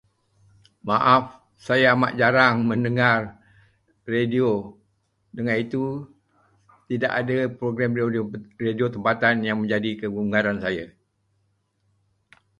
Maaf, saya amat jarang mendengar radio. Dengan itu, tidak ada program radio tempatan yang menjadi kegemaran saya.